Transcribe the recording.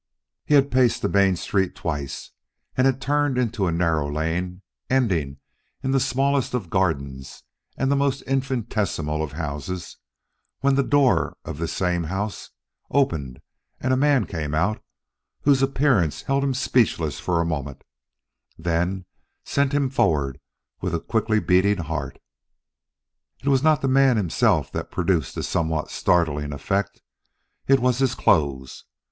He had paced the main street twice and had turned into a narrow lane ending in the smallest of gardens and the most infinitesimal of houses, when the door of this same house opened and a man came out whose appearance held him speechless for a moment then sent him forward with a quickly beating heart. It was not the man himself that produced this somewhat startling effect; it was his clothes.